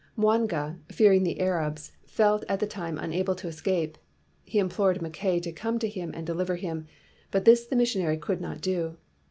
Mwanga, fearing the Arabs, felt at the time unable to escape. He implored Mackay to come to him to deliver him, but this the missionary could not do.